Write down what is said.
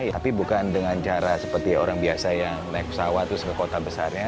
tapi bukan dengan cara seperti orang biasa yang naik pesawat terus ke kota besarnya